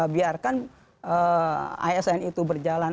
biarkan asn itu berjalan